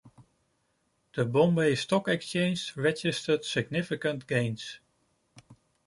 The Bombay Stock Exchange registered significant gains.